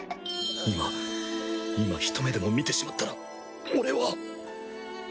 今今ひと目でも見てしまったら俺は